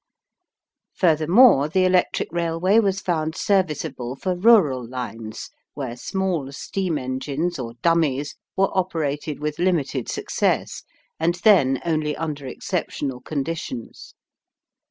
Furthermore, the electric railway was found serviceable for rural lines where small steam engines or "dummies" were operated with limited success, and then only under exceptional conditions.